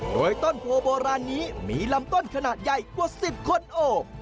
โดยต้นโพโบราณนี้มีลำต้นขนาดใหญ่กว่า๑๐คนโอบ